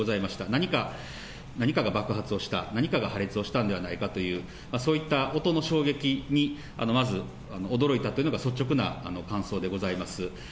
何か、何かが爆発をした、何かが破裂をしたんではないかという、そういった音の衝撃にまず驚いたというのが率直な感想でございます。